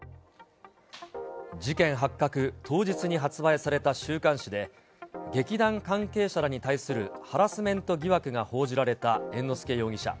事件発覚当日に発売された週刊誌で、劇団関係者らに対するハラスメント疑惑が報じられた猿之助容疑者。